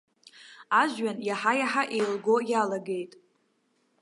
Ажәҩан иаҳа-иаҳа еилго иалагеит.